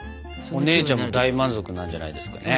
お姉ちゃんも大満足なんじゃないですかね？